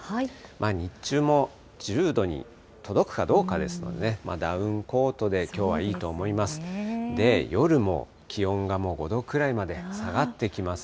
日中も１０度に届くかどうかですのでね、ダウンコートできょうはいいと思います。